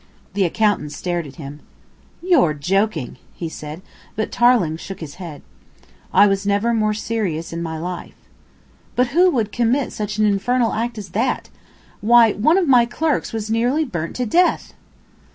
The accountant stared at him. "You're joking," he said, but Tarling shook his head. "I was never more serious in my life." "But who would commit such an infernal act as that? Why, one of my clerks was nearly burnt to death!"